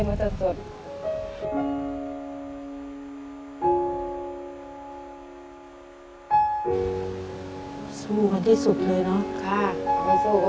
มาสู้กันที่สุดเลยเนาะค่ะมาสู้ก็